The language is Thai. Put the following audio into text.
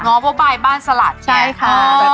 เพราะว่าไปบ้านสลัดใช่ค่ะ